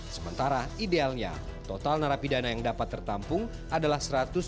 sementara idealnya total narapidana yang dapat tertampung adalah satu ratus tujuh belas satu ratus dua puluh satu